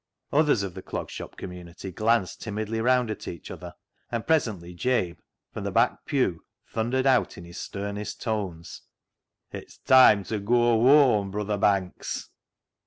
Others of the Clog Shop community glanced timidly round at each other, and presently Jabe from the back pew thundered out in his sternest tones —" It's toime ta goa whoam, Bruther Banks."